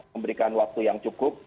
memberikan waktu yang cukup